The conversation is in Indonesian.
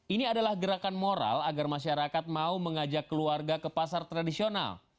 ini adalah gerakan moral agar masyarakat mau mengajak keluarga ke pasar tradisional